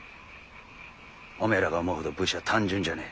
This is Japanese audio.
おめえらが思うほど武士は単純じゃねえ。